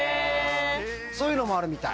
そういうのもあるみたい。